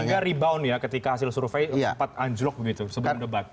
sehingga rebound ya ketika hasil survei sempat anjlok begitu sebelum debat